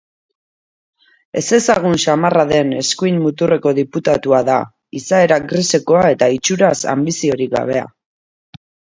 Ezezagun samarra den eskuin muturreko diputatua da, izaera grisekoa eta itxuraz anbiziorik gabea.